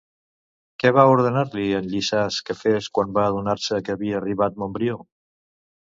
Què va ordenar-li en Llisàs que fes quan va adonar-se que havia arribat Montbrió?